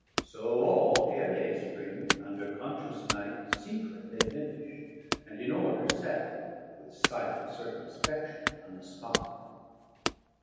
520 So all ere day spring, under conscious Night Secret they finish'd, and in order set, With silent circumspection unespi'd.